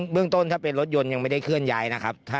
เรื่องต้นถ้าเป็นรถยนต์ยังไม่ได้เคลื่อนย้ายนะครับ